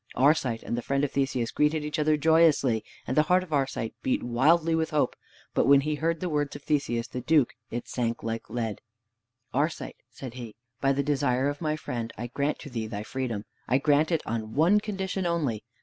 Arcite and the friend of Theseus greeted each other joyously, and the heart of Arcite beat wildly with hope, but when he heard the words of Theseus the Duke it sank like lead. "Arcite," said he, "by the desire of my friend, I grant to thee thy freedom. I grant it on one condition only.